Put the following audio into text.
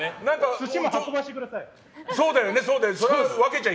寿司も運ばせてください。